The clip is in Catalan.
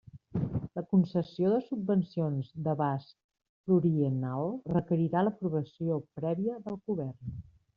La concessió de subvencions d'abast pluriennal requerirà l'aprovació prèvia del Govern.